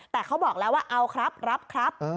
แต่เขาบอกแล้วว่าเอาครับรับครับ